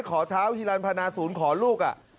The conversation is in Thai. ขอเท้าฮิรันพนาศูนย์ขอลูก